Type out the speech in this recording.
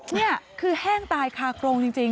นี่คือแห้งตายคาโครงจริง